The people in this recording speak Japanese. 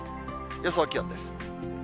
予想気温です。